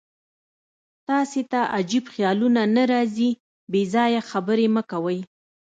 تاسې ته عجیب خیالونه نه راځي؟ بېځایه خبرې مه کوه.